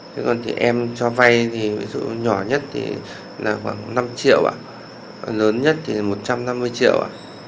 cường thì em cho vai ví dụ nhỏ nhất là khoảng năm triệu lớn nhất là một trăm năm mươi triệu